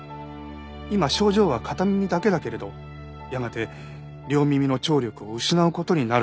今症状は片耳だけだけれどやがて両耳の聴力を失う事になるだろうと。